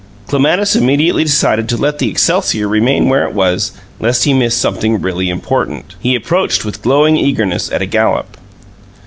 Clematis immediately decided to let the excelsior remain where it was, lest he miss something really important. He approached with glowing eagerness at a gallop.